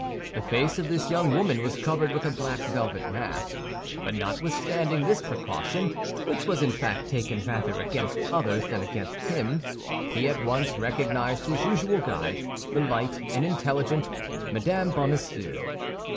The face of this young woman was covered with a black velvet mask; but notwithstanding this precaution, which was in fact taken rather against others than against him, he at once recognized his usual guide, the light and intelligent Mme. Bonacieux.